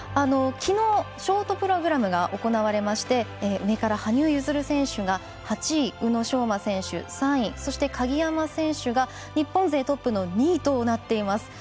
きのう、ショートプログラムが行われまして羽生結弦選手が８位宇野昌磨選手、３位鍵山優真選手が日本勢トップの２位となっています。